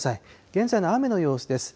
現在の雨の様子です。